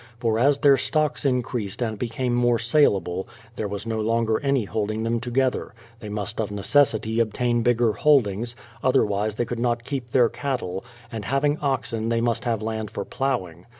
For as their stocks increased and became more saleable, there was no longer any holding them to gether; they must of necessity obtain bigger holdings, otherwise they could not keep their cattle ; and having oxen they must have land for ploughing.